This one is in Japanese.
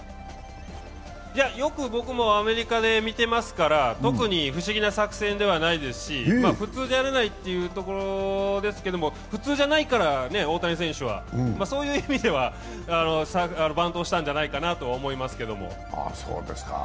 よくアメリカで見てますから特に不思議な作戦ではないですし普通やらないというところですけど、普通じゃないから大谷選手は。そういう意味ではバントをしたんじゃないかなと思いますけども。